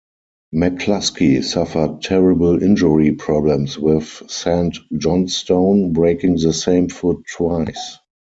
McCluskey suffered terrible injury problems with Saint Johnstone, breaking the same foot twice.